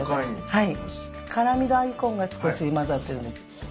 はい。